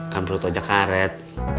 kan perut ojak karet